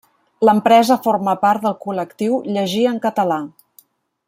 L'empresa forma part del col·lectiu Llegir en català.